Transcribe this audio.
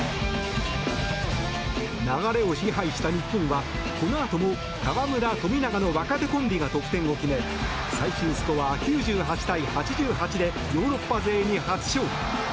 流れを支配した日本はこのあとも河村、富永の若手コンビが得点を決め最終スコア９８対８８でヨーロッパ勢に初勝利。